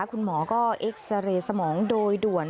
คุณหมอก็เอ็กซาเรย์สมองโดยด่วน